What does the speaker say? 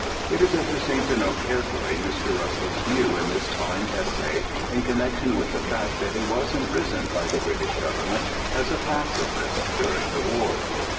It is interesting to note carefully Mr. Russell's views in this fine essay in connection with the fact that he was imprisoned by the British Government as a pacifist during the War.